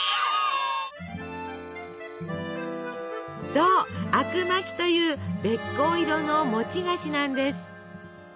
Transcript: そう「あくまき」というべっこう色の餅菓子なんです。